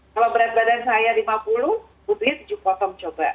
kalau berat badan saya lima puluh butuhnya tujuh potong coba